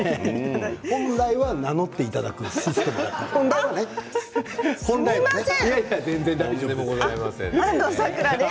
本来は名乗っていただくシステムだったんです。